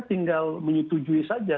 itu ditujui saja